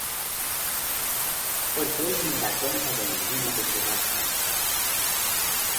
Porque él no da cuenta de ninguna de sus razones.